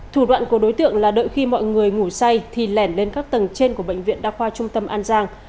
thủ đoạn của đối tượng là đợi khi mọi người ngủ say thì lẻn lên các tầng trên của bệnh viện đa khoa trung tâm an giang